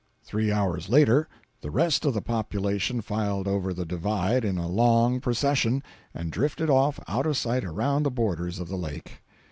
Three hours later the rest of the population filed over the "divide" in a long procession, and drifted off out of sight around the borders of the Lake!